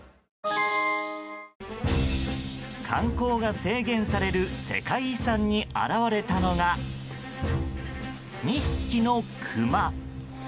観光が制限される世界遺産に現れたのが２匹のクマ。